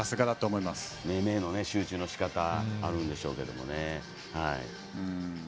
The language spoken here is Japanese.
めいめいに集中のしかたがあるんでしょうけども。